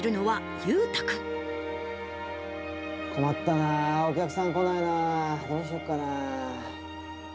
困ったなぁ、お客さん、来ないなぁ、どうしよっかな。